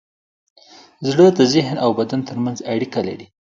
زړه د ذهن او بدن ترمنځ اړیکه لري.